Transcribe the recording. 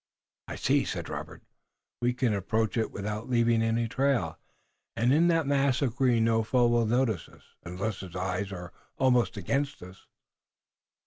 "I see," said Robert. "We can approach it without leaving any trail, and in that mass of green no foe will notice us unless his eyes are almost against us."